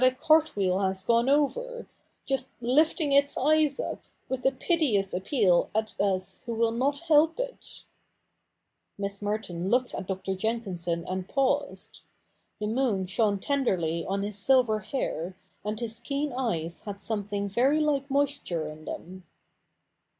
^ cart wheel has gone over, just lifting its eyes up^ with a, 'piteous appeal at us w^ho will not help it ' f Miss Mertota looked at Dr. Jenkinson and paused. The mobn shitme tenderly on his silver hair, and his keen eyes hadi"^mething very like moisture in them.